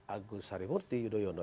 agus harimurti yudhoyono